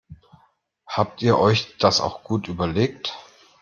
Habt ihr euch das auch gut überlegt?